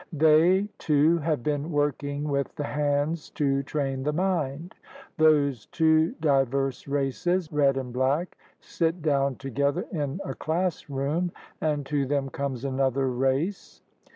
They, too, have been working with the hands to train the mind. Those two diverse races, red and black, sit down together 2 THE RED MAN'S CONTINENT in a classroom, and to them comes another race.